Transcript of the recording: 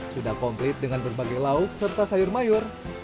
sudah komplit dengan berbagai lauk serta sayur mayur